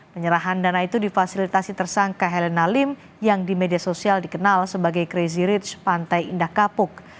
penyerahan dana itu difasilitasi tersangka helena lim yang di media sosial dikenal sebagai crazy rich pantai indah kapuk